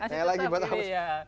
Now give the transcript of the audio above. ya lagi buat apa sih